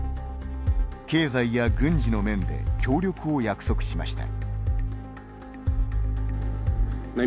経済や軍事の面で協力を約束しました。